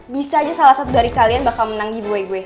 bisa aja salah satu dari kalian bakal menang di gue gue